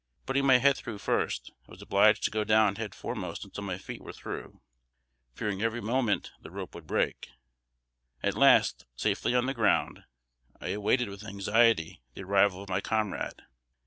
Putting my head through first, I was obliged to go down head foremost until my feet were through, fearing every moment the rope would break. At last, safely on the ground, I awaited with anxiety the arrival of my comrade.